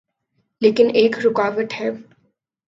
لیکن ایک رکاوٹ ہے۔